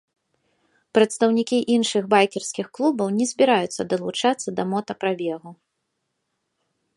Прадстаўнікі іншых байкерскіх клубаў не збіраюцца далучацца да мотапрабегу.